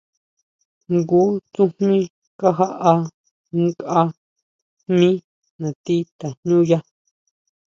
Jngu tsujmí kajaʼá nkʼa jmí nati tajñúya.